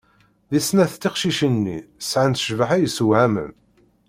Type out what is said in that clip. Di snat tiqcicin-nni sɛant cbaḥa yessewhamen.